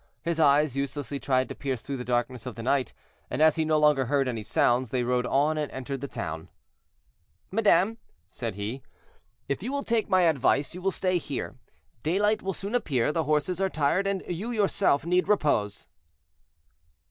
His eyes uselessly tried to pierce through the darkness of the night, and as he no longer heard any sounds, they rode on and entered the town. "Madame," said he, "if you will take my advice, you will stay here; daylight will soon appear, the horses are tired, and you yourself need repose."